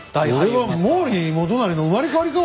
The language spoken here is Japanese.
おっ俺は毛利元就の生まれ変わりか？